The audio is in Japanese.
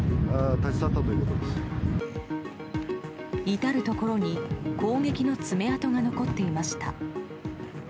至るところに攻撃の爪痕が残っていました。